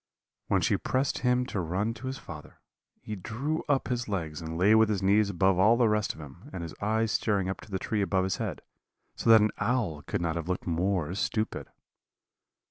"When she pressed him to run to his father, he drew up his legs and lay with his knees above all the rest of him, and his eyes staring up to the tree above his head, so that an owl could not have looked more stupid.